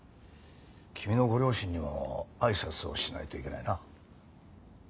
君のご両親にもあいさつをしないといけないな。